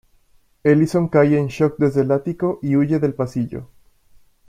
Ellison cae en shock desde el ático y huye del pasillo.